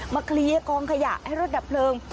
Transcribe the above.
เคลียร์กองขยะให้รถดับเพลิง